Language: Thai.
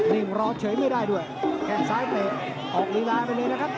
รอเฉยไม่ได้ด้วยแค่งซ้ายเตะออกลีลาไปเลยนะครับ